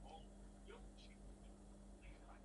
河漫滩草甸有时沿河流延伸数十至数百公里。